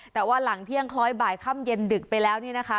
แต่ว่าหลังเที่ยงคล้อยบ่ายค่ำเย็นดึกไปแล้วนี่นะคะ